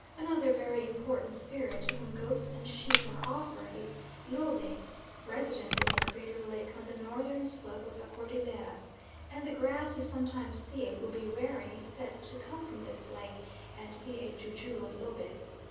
Another very important spirit, to whom goats and sheep are offered, is Lobe, resident in a crater lake on the northern slope of the Cordilleras, and the grass you sometimes see a Bubi wearing is said to come from this lake and be a ju ju of Lobe's.